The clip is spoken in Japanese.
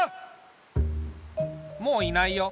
もういないよ。